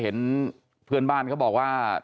เห็นเพื่อนบ้านเขาบอกว่า